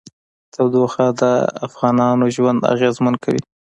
تودوخه د افغانانو ژوند اغېزمن کوي.